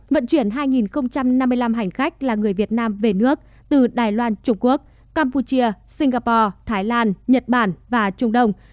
vận chuyển hai năm mươi năm hành khách là người việt nam về nước từ đài loan trung quốc campuchia singapore thái lan nhật bản và trung đông